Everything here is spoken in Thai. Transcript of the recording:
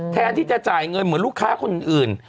แทนที่จะจ่ายเงินเหมือนลูกค้าคนอื่น